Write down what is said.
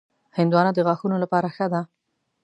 هندوانه د غاښونو لپاره ښه ده.